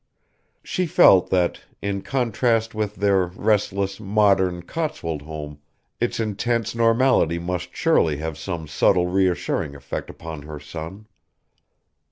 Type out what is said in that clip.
She felt that, in contrast with their restless modern Cotswold home, its intense normality must surely have some subtle reassuring effect upon her son.